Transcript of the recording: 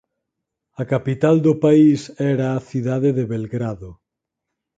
A capital do país era a cidade de Belgrado.